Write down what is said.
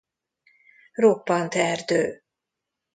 Roppant erdő.